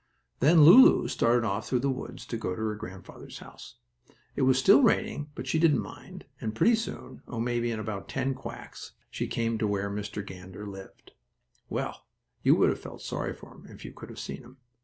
Then Lulu started off through the woods to go to her grandfather's house. It was still raining, but she didn't mind, and pretty soon, oh, maybe in about ten quacks, she came to where Mr. Gander lived. Well, you would have felt sorry for him if you could have seen him.